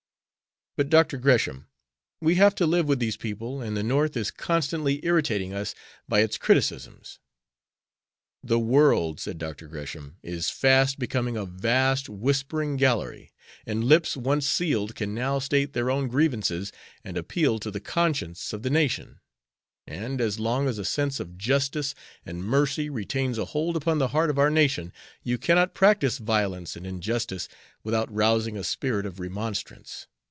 "But, Dr. Gresham, we have to live with these people, and the North is constantly irritating us by its criticisms." "The world," said Dr. Gresham, "is fast becoming a vast whispering gallery, and lips once sealed can now state their own grievances and appeal to the conscience of the nation, and, as long as a sense of justice and mercy retains a hold upon the heart of our nation, you cannot practice violence and injustice without rousing a spirit of remonstrance.